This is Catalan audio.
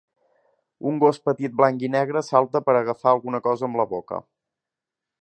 un gos petit blanc i negre salta per agafar alguna cosa amb la boca.